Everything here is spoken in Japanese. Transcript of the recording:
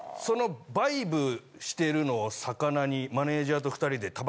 そのバイブしてるのをさかなにマネジャーと２人で。